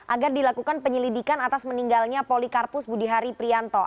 agar dilakukan penyelidikan atas meninggalnya polikarpus budihari prianto